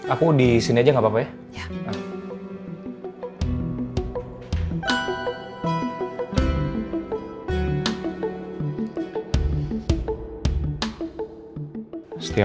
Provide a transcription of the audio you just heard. aku di sini aja gak apa apa ya